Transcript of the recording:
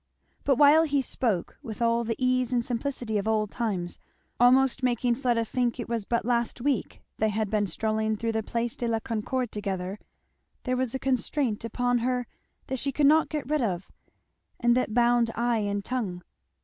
But while he spoke with all the ease and simplicity of old times, almost making Fleda think it was but last week they had been strolling through the Place de la Concorde together, there was a constraint upon her that she could not get rid of and that bound eye and tongue.